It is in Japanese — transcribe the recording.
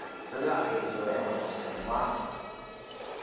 それでは劇場でお待ちしています。